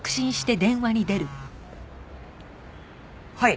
はい。